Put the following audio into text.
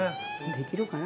できるかな？